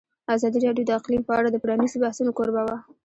ازادي راډیو د اقلیم په اړه د پرانیستو بحثونو کوربه وه.